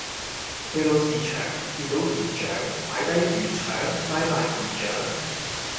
去到市場見到姨丈擺低魚腸拜拜姨丈